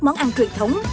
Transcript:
món ăn truyền thống